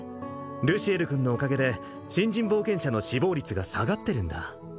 ルシエル君のおかげで新人冒険者の死亡率が下がってるんだ